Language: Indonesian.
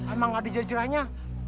emang ada jajarannya